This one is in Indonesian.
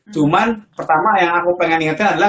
cuman pertama yang aku ingetnya adalah